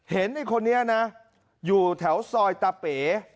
ไอ้คนนี้นะอยู่แถวซอยตาเป๋